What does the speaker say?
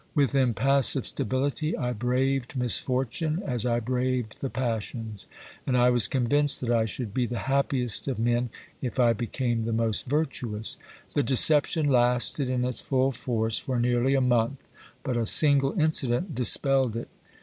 With impassive stability I braved misfortune as I braved the passions, and I was convinced that I should be the happiest of men if I became the most virtuous. The deception lasted in its full force for nearly a month, but a single incident dispelled it.